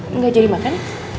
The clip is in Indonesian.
enggak jadi makan